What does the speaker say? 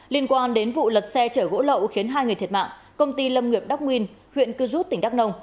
liên quan đến vụ lật xe chở gỗ lậu khiến hai người thiệt mạng công ty lâm nghiệp đắc nguyên huyện cư rút tỉnh đắk nông